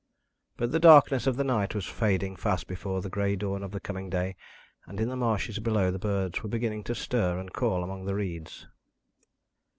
But the darkness of the night was fading fast before the grey dawn of the coming day, and in the marshes below the birds were beginning to stir and call among the reeds.